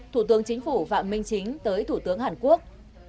thủ tướng chính phủ phạm minh chính tới thủ tướng hàn quốc